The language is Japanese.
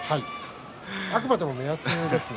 あくまでも目安です。